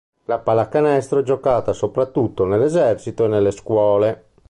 La pallacanestro è giocata soprattutto nell'esercito e nelle scuole.